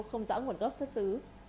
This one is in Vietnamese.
không rõ nguồn gốc xuất xứ